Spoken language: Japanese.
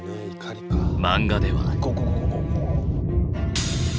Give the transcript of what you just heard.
漫画では。